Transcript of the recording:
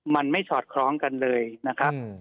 มันไม่สอดคล้องกันเลยนะครับ